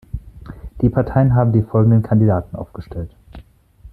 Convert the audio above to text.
Die Parteien haben die folgenden Kandidaten aufgestellt.